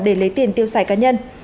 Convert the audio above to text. để lấy tiền tiêu xài cá nhân